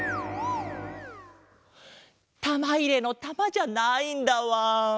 たまいれのたまじゃないんだわん。